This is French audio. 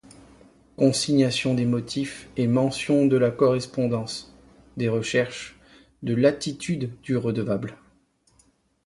Consignation des motifs et mention de la correspondance, des recherches, de l'attitude du redevable.